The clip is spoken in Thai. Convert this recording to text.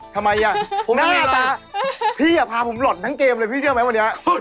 ทำไมอย่ะหน้าตาพี่ฟ้าผมหล่อนทั้งเกมเลยพี่เชื่อไหมวันนี้